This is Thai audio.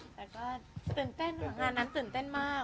แต่ก็ตื่นเต้นค่ะงานนั้นตื่นเต้นมาก